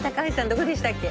どこでしたっけ？